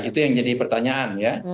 itu yang jadi pertanyaan ya